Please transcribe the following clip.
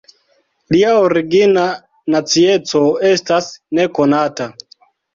Lia origina nacieco estas nekonata.